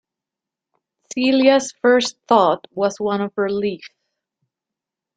Celia's first thought was one of relief.